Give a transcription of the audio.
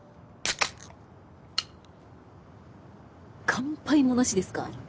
乾杯もなしですか。